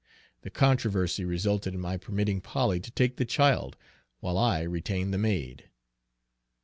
The controversy resulted in my permitting Polly to take the child, while I retained the maid.